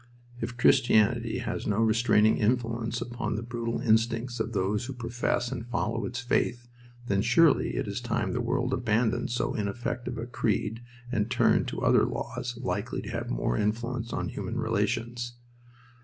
If Christianity has no restraining influence upon the brutal instincts of those who profess and follow its faith, then surely it is time the world abandoned so ineffective a creed and turned to other laws likely to have more influence on human relationships.